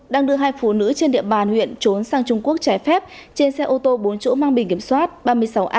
đang đưa hai phụ nữ trên địa bàn huyện trốn sang trung quốc trẻ phép trên xe ô tô bốn chỗ mang bình kiểm soát ba mươi sáu a tám trăm bốn mươi bảy